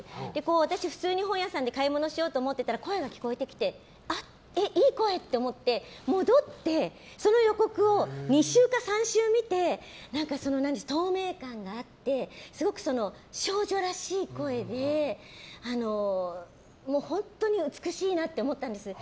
私、普通に本屋さんで買い物しようと思ってたら声が聞こえてきていい声！って思って戻ってその予告を２周か３周見て透明感があってすごく少女らしい声で本当に美しいなって思ったんです。